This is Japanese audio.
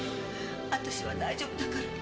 あたしは大丈夫だから。